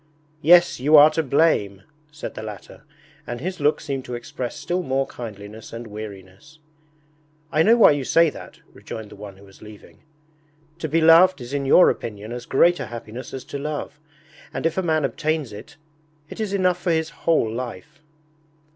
'Yes, you are to blame,' said the latter, and his look seemed to express still more kindliness and weariness. 'I know why you say that,' rejoined the one who was leaving. 'To be loved is in your opinion as great a happiness as to love, and if a man obtains it, it is enough for his whole life.'